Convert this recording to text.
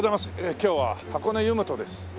今日は箱根湯本です。